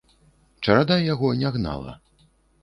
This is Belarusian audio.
Чарада яго не гнала.